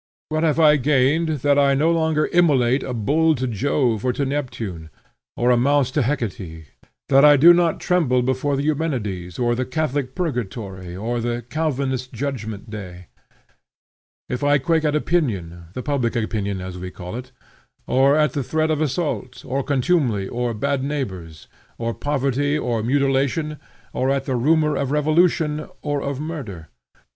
What have I gained, that I no longer immolate a bull to Jove or to Neptune, or a mouse to Hecate; that I do not tremble before the Eumenides, or the Catholic Purgatory, or the Calvinistic Judgment day, if I quake at opinion, the public opinion, as we call it; or at the threat of assault, or contumely, or bad neighbors, or poverty, or mutilation, or at the rumor of revolution, or of murder?